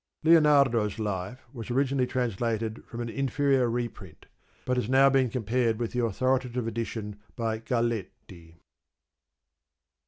Lionardo's Life was originally translated from an inferior reprint, but has now been compared with the authoritative edition by Galletti.